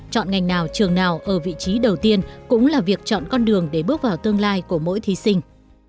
chọn ngành nào trường nào ở vị trí đầu tiên cũng là việc chọn con đường để bước vào tương lai của mỗi thí sinh